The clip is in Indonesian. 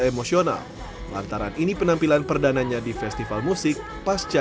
emosional lantaran ini penampilan perdananya di festival musik pasca